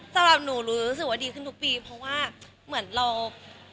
สำหรับหนูรู้สึกว่าดีขึ้นทุกปีเพราะว่าเหมือนเรา